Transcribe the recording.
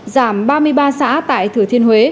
giảm ba mươi ba xã tại thừa thiên huế